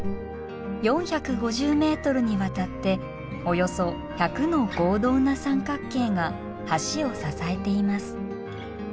４５０ｍにわたっておよそ１００の合同な三角形が橋を支えています。